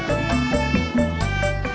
tati disuruh nyiram